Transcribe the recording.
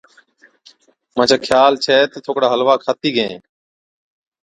مانڇا خيال ڇَي تہ ٿوڪڙا حلوا کتِي گيهين۔